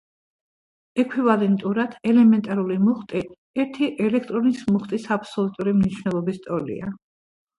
ექვივალენტურად, ელემენტარული მუხტი ერთი ელექტრონის მუხტის აბსოლუტური მნიშვნელობის ტოლია.